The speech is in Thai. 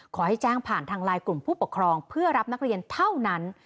ขอให้แจ้งผ่านทางไลน์กลุ่มผู้ปกครองเพื่อรับนักเรียนเท่านั้น